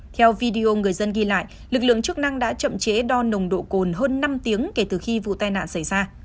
theo video người dân ghi lại lực lượng chức năng đã chậm chế đo nồng độ cồn hơn năm tiếng kể từ khi vụ tai nạn xảy ra